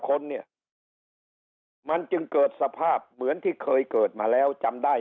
คนเนี่ยมันจึงเกิดสภาพเหมือนที่เคยเกิดมาแล้วจำได้